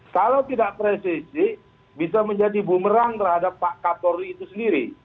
kalau tidak presisi bisa menjadi bumerang terhadap pak kapolri itu sendiri